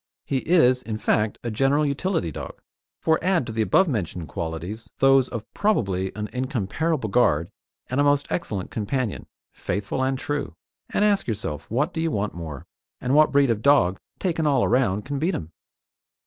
He is, in fact, a general utility dog, for add to the above mentioned qualities those of probably an incomparable guard and a most excellent companion, faithful and true, and ask yourself what do you want more, and what breed of dog, taken all round, can beat him?